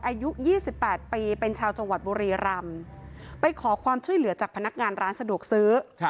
อายุ๒๘ปีเป็นชาวจังหวัดบุรีรำไปขอความช่วยเหลือจากพนักงานร้านสะดวกซื้อ